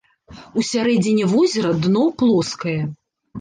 У сярэдзіне возера дно плоскае.